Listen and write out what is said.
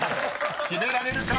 ［決められるか？